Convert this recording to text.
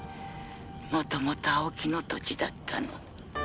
もともと青木の土地だったの。